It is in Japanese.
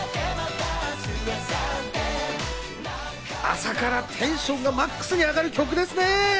朝からテンションがマックスに上がる曲ですね！